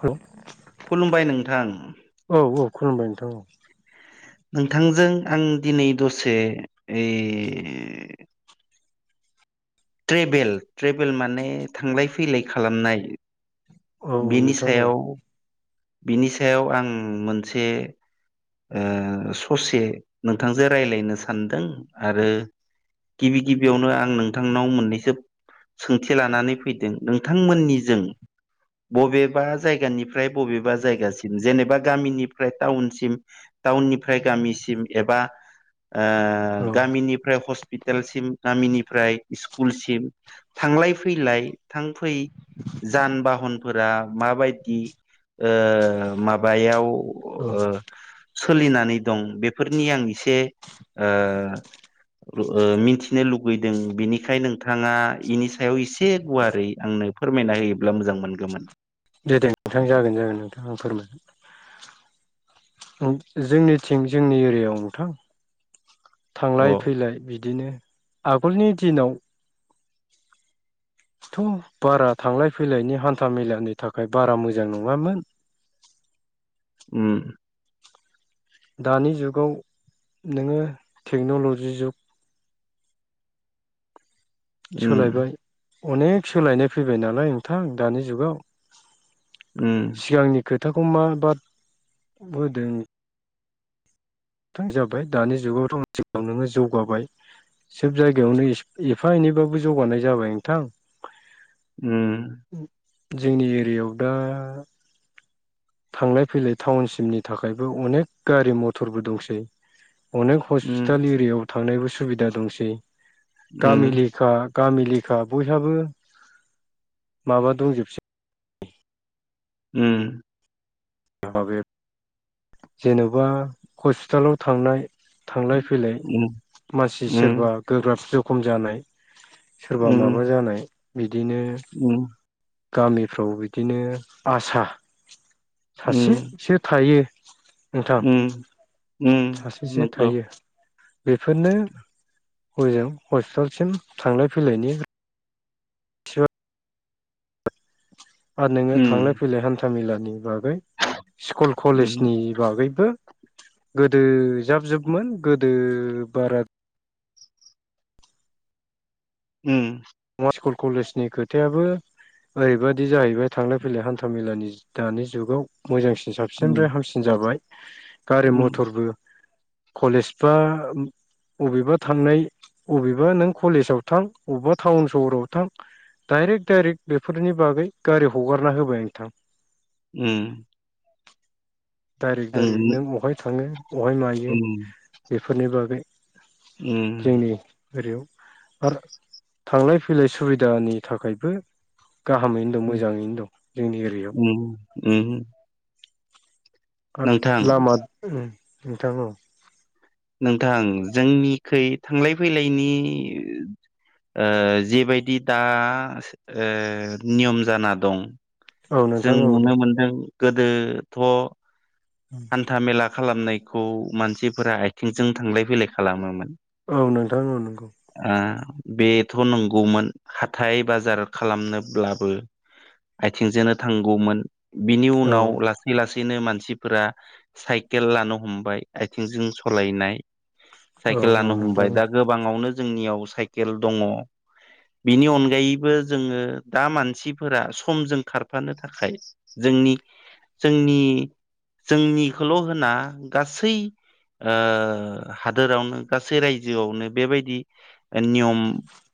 Hello खुलुमबाय नोंथां। औ औ खुलुमबाय नोथां नोंथांजों आं दिनै दसे ओइ ट्रेभेल ट्रेभेल माने थांलाय फैलाय खालामनाय। औ बिनि नोंथां औ सायाव बिनि सायाव आं मोनसे ओ स'से नोंथांजों रायलायनो सानदों आरो गिबि गिबियावनो आं नोंथांनाव मोननैसो सोंथि लानानै फैदों नोंथांमोननिजों बबेबा जायगानिफ्राय बबेबा जायगासिम जेनेबा गामिनिफ्राय टाउनसिम टाउननिफ्राय गामिसिम एबा ओ औ गामिनिफ्राय हस पिटालसिम गामिनिफ्राय स्कुलसिम थांलाय फैलाय थां फै जान बाहन फोरा माबायदि ओ माबायाव औ ओ सोलिनानै दं बेफोरनि आं एसे से ओ ओ मिथिनो लु बैदों बेनिखायनो नोंथाङा बेनि सायाव एसे गुवारै आंनो फोरमायना होयोब्ला मोजां मोनगोन। गोमोन दे दे नोंथां जागोन जागोन नोंथां आं फोरमायगोन। जों जोंनिथिं जोंनि एरियायाव नोंथां थांलाय अ फैलाय बिदिनो आगोलनि दिनाव थ' बारा थांलाय फैलायनि हान्था मेलानि थाखाय बारा मोजां नङामोन। उम दानि जुगाव नोङो टेक्न'लजि जुग उम अनेख सोलायनाय फैबाय नालाय नोंथां दानि जुगाव। उम सिगांनि खोथाखौ मा बाद होदों थ जाबाय दानि जुगावथ' [unintelligible] नोङो जौगाबाय। सोब जायगायावनो एफा एनैबाबो जौगानाय जाबाय नोंथां। उम जोंनि एरियायाव दा थांलाय फैलाय टाउनसिमनि थाखायबो अनेक गारि मथरबो दंसै। अनेक उम उम हस्पिटाल एरियायाव थांनायबो सुबिदा दंसै गामि उम लेखा गामि लेखा बयहाबो माबा दंजोबसै उम [unintelligible] जेनेबा हस्पिटालाव थांनाय थांलाय फैलाय उम मानसि सोरबा उम गोब्राब जखम जानाय सोरबा उम माबा जानाय बिदिनो गामिफ्राव बिदिनो आसा सासेसो थायो नोंथां सासेसो थायो बेफोरनो हजों हस्पिटालसिम थांलाय फैलायनि आरो आर नोङो थांलाय फैलाय हान्था मेलानि बाग स्कुल कलेजनि बागैबो गोदो जाब जोबमोन गोदो बारा ओम नङा स्कुल कलेजनि खोथायाबो ओरैबादि जाहैबाय थांलाय फैलाय हान्था मेलानि दानि जुगाव मोजांसिन साबसिननिफ्राय हामसिन जाबाय गारि मथरबो कलेज बा बबेबा थांनाय बबेबा नों कलेजाव थां अबेबा टाउन सहराव थां डाइरेक्ट डाइरेक्ट बेफोरनि बागै गारि हगारना होबाय नोंथां ओम डाइरेक्ट डाइरेक्ट नों बहाय थाङो बहाय मायो बेफोरनि बागै ओम ओरैयाव आर थांलाय फैलाय सुबिदानि थाखायबो गाहामैनो दं मोजाङैनो दं जोंनि एरियायाव नोंथां लामा उम नोंथां औ नोंथां जोंनिखै थांलाय फैलायनि ओ जेबायदि दा ओ नियम जाना दं औ जों नोंथां औ नुनो दे मोनदों गोदोथ' हान्था मेला खालामनायखौ मानसिफोरा आथिंजों थांलाय फैलाय खालामोमोन औ नोंथां ओ नोंगौ। ओ बेथ' नंगौमोन हाथाय बाजार खालामनोब्लाबो। आइथिं जोंनो थांगौमोन बिनि औ उनाव लासै लासैनो मानसि। फोरा साइकेल लानो हमबाय आइथिं जों सलायनाय। औ साइकेल औ लानो हमबाय नोंथां दा गोबांङावनो जोंनियाव साइकेल दङ बिनि अनगायैबो जोंङो दा मानसिफोरा समजों खारफानो थाखाय जो जोंनि जोंनि जोंनिखौल होना गासै ओ हादोरावनो गासै रायजोआवनो बेबायदि ओ नियम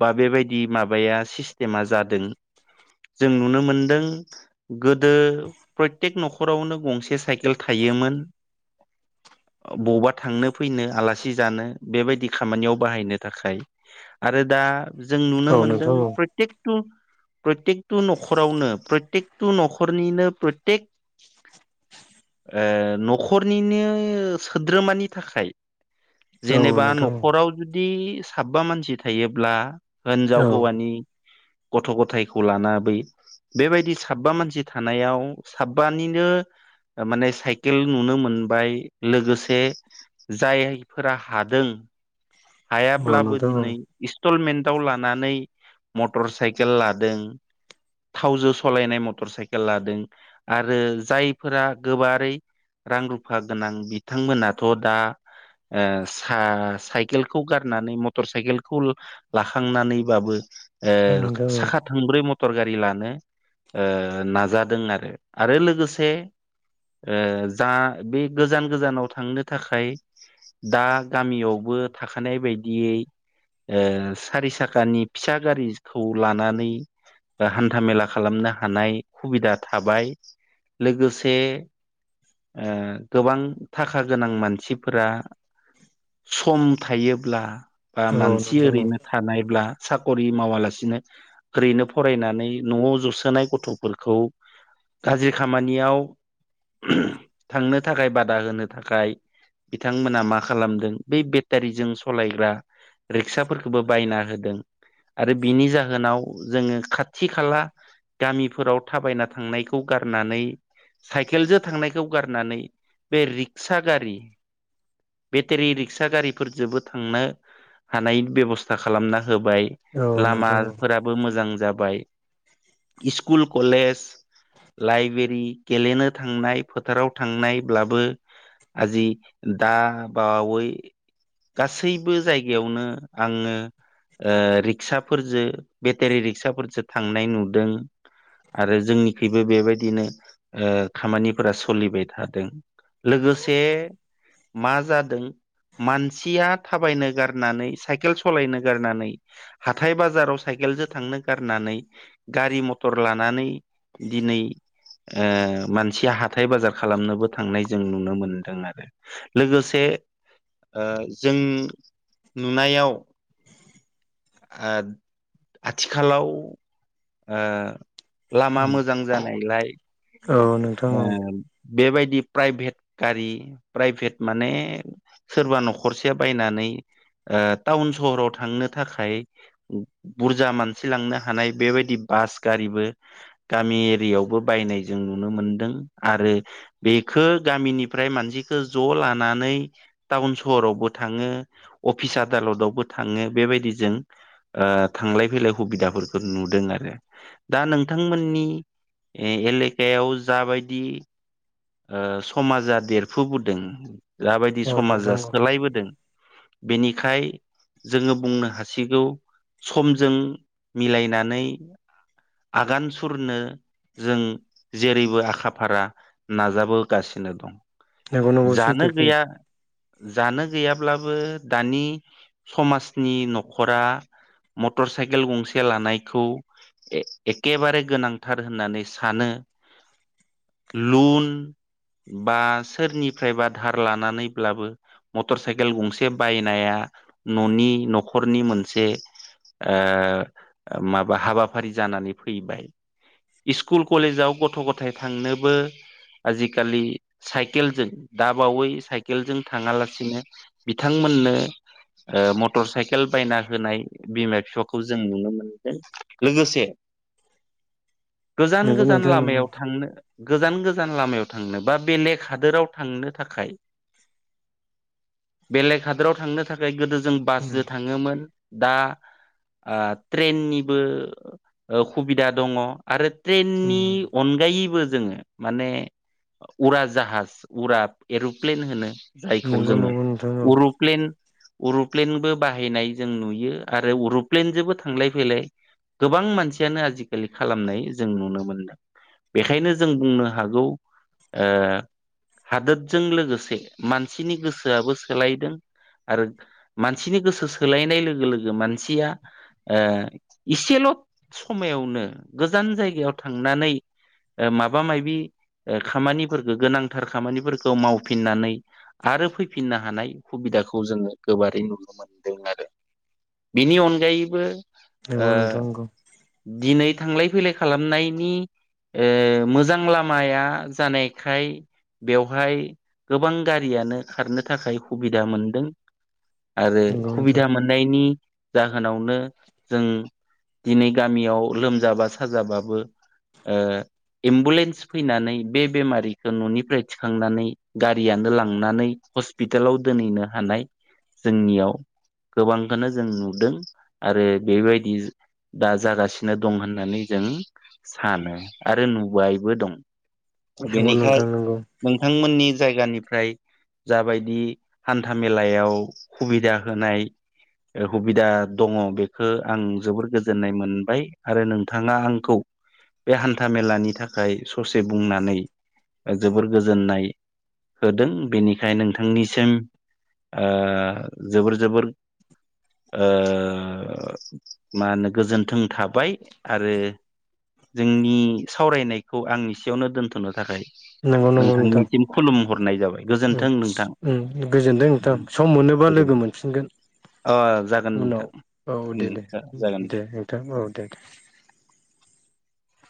बा बेबायदि माबाया आ सिस्टेमा जादों जों नुनो मोनदों गोदो प्रत्येक न'खरावनो गंसे साइके केल थायोमोन ओबौवबा थांनो फैनो आलासि जानो बेबायदि खामानियाव बाहायनो थाखाय आरो दा जों नुनो औ मोनदों नोंथां औ प्रयतेकटु प्रतेयकटु न'खरावनो प्रय। तेकटु न'खरनिनो प्रयतेक ओ न'खरनिनो सोद्रोमानि थाखाय औ जेनेबा नोंथां औ न'खराव जुदि साबबा मानसि थायोब्ला होनजाव औ हौवानि गथ' गथायखौ लाना बै बेबायदि साबबा मानसि थानायाव साबबानिनो ओ माने साइकेल नुनो मोनबाय लोगोसे‌ जायैफोरा हादों हायाब्लाबो नोंथां दिनै इस टलमेन्टाव लानानै मटर साइकेल लादों थावजो सलायनाय मटर साइकेल लादों आरो जायफोरा गोबारै रां रुफा गोनां बिथांमोनाथ दा ओ सा साइ केलखौ गारनानै मटर साइकेलखौ लाखांनानैबाबो। ए औ नोंथां औ साखा थोंब्रै म टर गारि लानो ओ नाजादों आरो आरो लोगोसे ओ जा बि गोजान गोजानाव थांनो थाखाय‌ दा गामियावबो थाखानाय बायदियै ओ सारि साखानि फिसा गारिजखौ लानानै ओ हान्था-मेला खालामनो हानाय हुबिदा थाबाय लोगोसे ओ गोबां थाखा गोनां मानसिफोरा सम थायोब्ला बा मानसि नोंथां औ ओरैनो थानायब्ला साखरि मावालासिनो ओरैनो फरायनानै न'आव जसोनाय गथ'फोरखौ‌ गाज्रि खामानियाव थांनो थाखाय बादा होनो थाखाय बिथांमोना मा खालामदों बै बेद टारिजों सलायग्रा रिक्साफोरखोबो बायना होदों आरो बिनि जाहोनाव जोंङो खाथि खाला गामिफोराव थाबायना थांनायखौ गारनानै साइकेलजो थांनायखौ गारनानै बे रिक्सा गारि बेटेरि रिक्सा गारिफोरजोबो थांनो हानायनि बेबस्था खालामना होबाय नोंथां औ नोंथां औ लामाफोराबो मोजां जाबाय इसकुल कलेस लाइबेरि गेलेनो थांनाय फोथाराव थांनाय ब्लाबो आजि दा बावै गासैबो जायगायावनो आंङो‌ ओ रिक्साफोरजो बेटेरि रिक्साफोरजो थांनाय नुदों आरो जोंनिखैबो बेबायदिनो ओ खामानिफोरा सलिबाय थादों। लोगोसे मा जादों मानसिया थाबायनो गारनानै साइकेल सलायनो गारनानै हाथाय बाजाराव साइकेल जो थांनो गारनानै गारि मथर लानानै दिनै ओ मानसिया हाथाय बाजार खालामनोबो थांनाय जों नुनो मोनदों आरो लोगोसे ओ जों नुनायाव ओ आथिखालाव ओ लामा मोजां जानायलाय ओ बेबायदि प्राइभेट गारि प्राइभेट माने सोरबा न'खरसे बायनानै ओ टाउन सहराव थांनो था खाइ बुरजा मानसि लांनो हानाय बेबायदि बास गारिबो गामि एरियावबो बायनाय जों नुनो मोनदों आरो बेखौ गामिनिफ्राय मानसिखौ ज लानानै टाउन सहरावबो थाङो, अफिस, आदालद आवबो थाङो बेबायदि जों ओ थांलाय फैलाय हुबिदाफोरखौ नुदों आरो। दा नोंथांमोननि ए एलेकायाव जाबायदि ओ समाजा देरफुबोदों जाबायदि औ समाजा नोंथां औ सोलायबोदों बेनिखाय जोङो बुंनो हासिगौ समजों मिलायनानै आगान सुरनो जों जेरैबो आखा फारा नाजाबोगासिनो दं। नंगौ नंगौ सैथो जानो बुं गैया जानो गैयाब्लाबो दानि समाजनि न'खरा मटर साइकेल गंसे लानायखौ ए एखेबारे गोनांथार होननानै सानो लुन [unintelligible] बा सोरनिफ्रायबा धार लानानैब्लाबो मटर साइकेल गंसे बायनाया न'नि न'खरनि मोनसे ओ माबा हाबाफारि जानानै फैबाय। इस्कुल कलेजाव गथ' गथाय थांनोबो आजिखालि साइकेलजों दाबावै साइकेलजों थाङालासिनो बिथांमोन। नो। ओ मटर साइकेल बायना होनाय बिमा बिफाखौ जों नुनो मोनदों लोगोसे। गोजान - नंगौ गोजान नोंथां नंगौ लामायाव थांनो गोजान- गोजान। लामायाव थांनो बा बेलेख हादोराव थांनो थाखाय। बेलेग हादराव थांनो थाखाय गोदो जों उम बासजों थाङोमोन दा। ओ ट्रेननिबो ओ हुबिदा दङ आरो उम ट्रेननि अन। गायैबो जोङो माने उरा जाहाज उरा एर'प्लेन होनो। जायखौ नंगौ जोङो नंगौ नोंथां औ उरुप्लेन। अरू'प्लेनबो बाहायनाय जों नुयो आरो अरू'प्लेनजोंबो थांलाय फैलाय। गोबां मानसियानो आजिखालि खालामनाय जों नुनो मोनदों। बेखायनो जों बुंनो हागौ ओ। हादोरजों लोगोसे मानसिनि गोसोआबो सोलायदों। आरो मानसिनि गोसो सोलायनाय लोगो लोगो मानसिया। ओ इसेल' समायावनो गोजान जायगायाव थांनानै। ओ माबा मायबि। ओ खामानिफोरखौ गोनांथार खामानिफोरखौ मावफिननानै आरो फैफिननो हानाय हुबि। दाखौ जोङो गोबारै नुनो मोनदों आरो बेनि अनगायैबो। ओ नंगौ नोंथां नंगौ दिनै। थांलाय फैलाय खालामनायनि ओ मोजां लामाया जानायखाय। बेवहाय गोबां गारियानो खारनो थाखाय हुबिदा मोनदों। आरो नंगौ नोंथां हुबिदा मोननायनि जाहोनावनो जों। दिनै गामियाव लोमजाबा साजाबाबो ओ एम्बुलेन्स। फैनानै बे बेमारिखौ न'निफ्राय थिखांनानै गारियानो लांनानै हस्पिटालाव दो। दोनैनो हानाय जोंनियाव गोबांखौनो जों नुदों आरो बे बायदि दा जागासिनो दं होननानै जों सानो आरो नुबायबो दं नंगौ बेनिखाय नोंथां नंगौ नोंथांमोननि जायगानि ओमफ्राय जा बायदि हान्था मेलायाव सुबिदा होनाय ओ हुबिदा दङ बेखौ आं जोबोर गोजोननाय मोनबाय आरो नोंथाङा आंखौ बे हान्था मेलानि थाखाय ससे बुंनानै जोबोर गोजोननाय होदों बेनिखायनो नोंथांनिसिम ओ जोबोर जोबोर ओ मा होनो गोजोन्थों थाबाय आरो जोंनि सावरायनाय खौ आं इसेयावनो दोनथ'नो थाखाय नंगौ नंगौ नोंथां नोंथांनिसिम खुलुम हरनाय जाबाय उम गोजोन्थों नोंथां। उम गोजोनदों नोंथां सम मोनोबा लोगो मोनफिनगोन अ जागोन उनाव नोंथां औ दे उम दे उम जागोन। दे दे नोंथां औ दे [inaudible]